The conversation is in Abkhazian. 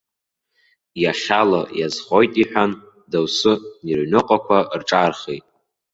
Иахьала иазхоит иҳәан, дасу рыҩныҟақәа рҿаархеит.